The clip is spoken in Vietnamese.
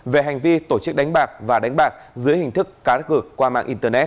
về hành vi tổ chức đánh bạc và đánh bạc dưới hình thức cá rắc rực qua mạng internet